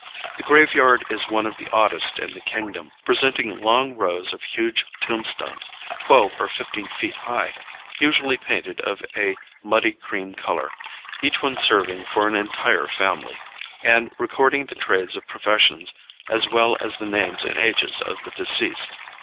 The graveyard is one of the oddest in the kingdom, presenting long rows of huge tombstones, twelve or fifteen feet high, usually painted of a muddy cream color, each one serving for an entire family, and recording the trades or professions as well as the names and ages of the deceased.